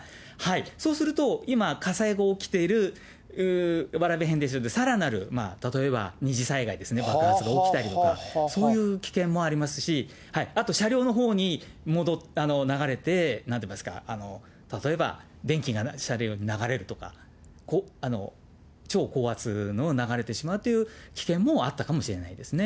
そうすると、今火災が起きている蕨変電所でさらなる、例えば二次災害ですね、爆発が起きたりとか、そういう危険もありますし、あと車両のほうに流れて、なんと言いますか、例えば電気が車両に流れるとか、超高圧のが流れてしまうという危険もあったかもしれないですね。